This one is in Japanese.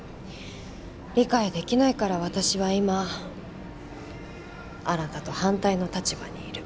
理解できないから私は今新と反対の立場にいる。